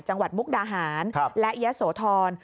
จังหวัดมุกดาหารและเอี๊ยะโสธร